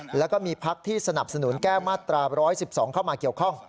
แล้วก็มีพักที่สนับสนุนแก้มาตรา๑๑๒เข้ามาเกี่ยวข้อง